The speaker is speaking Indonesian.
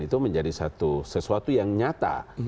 itu menjadi sesuatu yang nyata